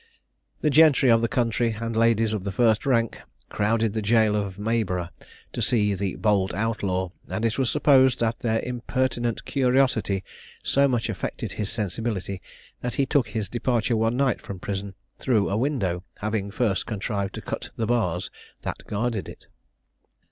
The gentry of the country, and ladies of the first rank, crowded to the jail of Maryborough to see the "bold outlaw;" and it was supposed that their impertinent curiosity so much affected his sensibility, that he took his departure one night from prison, through a window, having first contrived to cut the bars that guarded it.